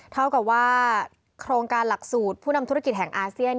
เท่ากับว่าโครงการหลักสูตรผู้นำธุรกิจแห่งอาเซียน